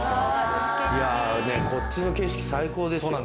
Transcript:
いやこっちの景色最高ですよ。